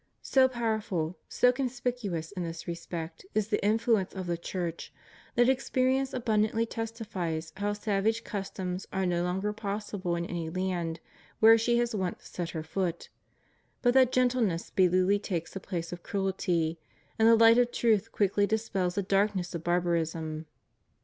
So powerful, so conspicuous in this respect, is the influence of the Church, that experience abundantly testifies how savage customs are no longer possible in any land where she has once set her foot; but that gentleness speedily takes the place of cruelty, and the light of truth quickly dispels the darkness of barbarism.